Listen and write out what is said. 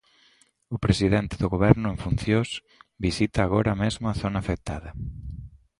O presidente do Goberno en funcións, visita agora mesmo a zona afectada.